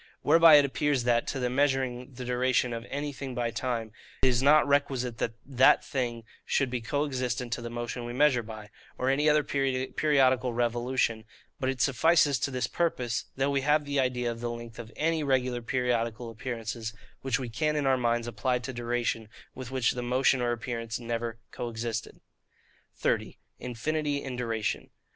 Whereby it appears that, to the measuring the duration of anything by time, it is not requisite that that thing should be co existent to the motion we measure by, or any other periodical revolution; but it suffices to this purpose, that we have the idea of the length of ANY regular periodical appearances, which we can in our minds apply to duration, with which the motion or appearance never co existed. 30. Infinity in Duration.